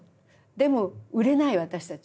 でも売れない私たち。